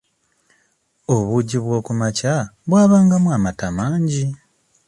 Obuugi bw'okumakya bwabangamu amata mangi.